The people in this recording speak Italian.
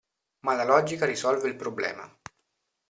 Ma la logica risolve il problema.